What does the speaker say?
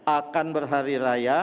akan berhari raya